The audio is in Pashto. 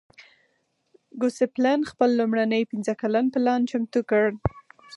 ګوسپلن خپل لومړنی پنځه کلن پلان چمتو کړ